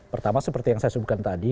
pertama seperti yang saya sebutkan tadi